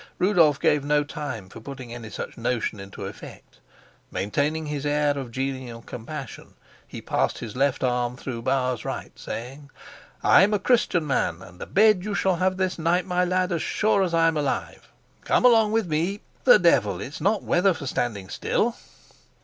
Rudolf gave no time for putting any such notion into effect. Maintaining his air of genial compassion, he passed his left arm through Bauer's right, saying: "I'm a Christian man, and a bed you shall have this night, my lad, as sure as I'm alive. Come along with me. The devil, it's not weather for standing still!"